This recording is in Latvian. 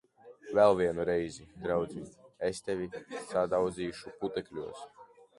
Vēl vienu reizi, draudziņ, un es tevi sadauzīšu putekļos!